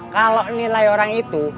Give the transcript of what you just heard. kalau nilai orang itu